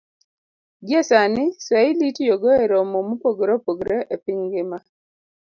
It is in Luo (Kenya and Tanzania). Gie sani, Swahili itiyogo e romo mopogore opogore e piny ngima